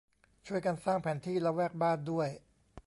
ช่วยกันสร้างแผนที่ละแวกบ้าน ด้วย